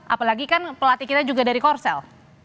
apalagi kan pelatih kita juga dari korsel